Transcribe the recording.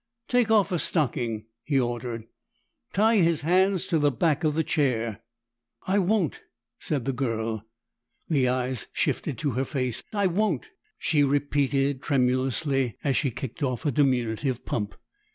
"Take off a stocking," he ordered. "Tie his hands to the back of the chair." "I won't!" said the girl. The eyes shifted to her face. "I won't!" she repeated tremulously as she kicked off a diminutive pump.